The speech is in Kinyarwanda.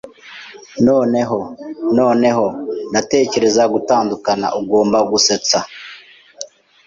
"Noneho noneho ndatekereza gutandukana." "Ugomba gusetsa!"